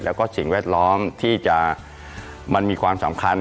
แล้วก็สิ่งแวดล้อมที่จะมันมีความสำคัญ